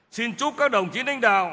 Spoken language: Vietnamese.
xin chúc các đồng chí nánh đạo